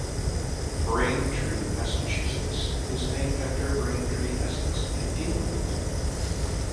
Braintree, Massachusetts is named after Braintree, Essex in England.